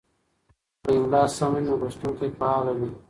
که املا سمه وي نو لوستونکی فعاله وي.